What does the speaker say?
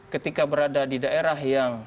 ketika berada di daerah yang